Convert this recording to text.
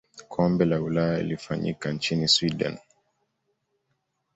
kombe la ulaya lilifanyika nchini sweden